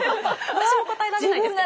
私も答えられないですけどね。